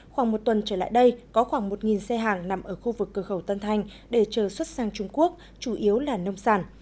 khoảng một tuần trở lại đây có khoảng một xe hàng nằm ở khu vực cửa khẩu tân thanh để chờ xuất sang trung quốc chủ yếu là nông sản